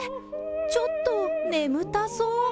ちょっと眠たそう。